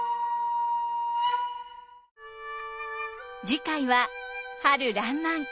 次回は春らんまん。